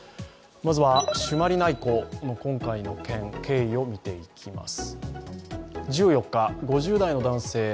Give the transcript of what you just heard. まずは朱鞠内湖の今回の件、経緯を見ていきます。